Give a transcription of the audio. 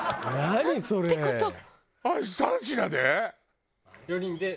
あれ３品で？